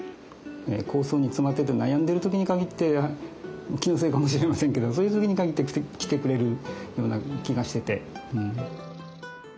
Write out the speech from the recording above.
構想に詰まってて悩んでる時に限って気のせいかもしれませんけどそういう時に限って来てくれるような気がしてて。